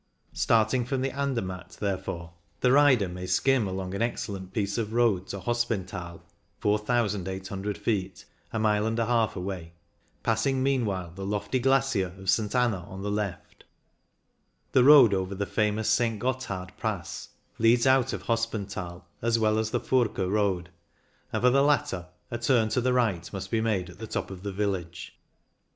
Starting from Andermatt, therefore, the rider may skim along an excellent piece of road to Hospenthal (4,800 ft) a mile and a half away, passing meanwhile the lofty glacier of St. Anna on the left The road over the famous St. Gotthard Pass leads out of Hospenthal as well as the Furka road, and for the latter a turn to the right must be made at the top of the village.